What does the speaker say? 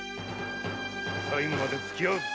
最後までつき合うぞ。